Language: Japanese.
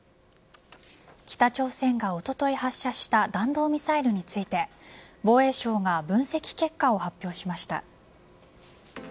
北朝鮮がおととい発射した弾道ミサイルについて防衛省が分析結果を発表しました。